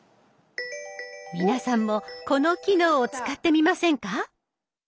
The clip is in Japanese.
皆さんもこの機能を使ってみませんか？